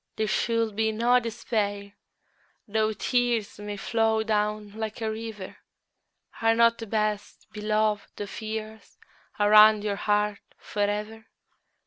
There should be no despair though tears May flow down like a river: Are not the best beloved of years Around your heart for ever?